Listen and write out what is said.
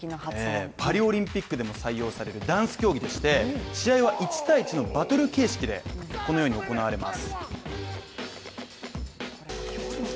パリオリンピックでも採用されるダンス競技でして、試合は１対１のバトル形式でこのように行われます。